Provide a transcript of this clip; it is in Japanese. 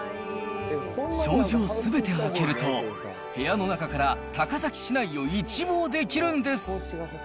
障子をすべて開けると、部屋の中から高崎市内を一望できるんです。